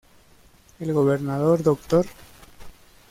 El gobernador Dr.